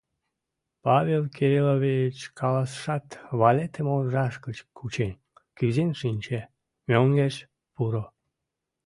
— Павел Кириллович каласышат, Валетым оржаж гыч кучен, кӱзен шинче, — мӧҥгеш пуро...